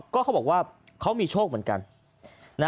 ก็เขาบอกว่าเขามีโชคเหมือนกัน